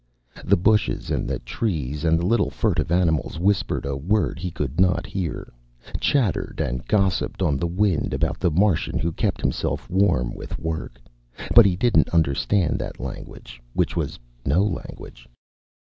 _The bushes and the trees and the little furtive animals whispered a word he could not hear, chattered and gossiped on the wind about the Martian who kept himself warm with work. But he didn't understand that language which was no language.